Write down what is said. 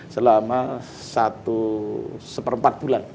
selama satu seperempat bulan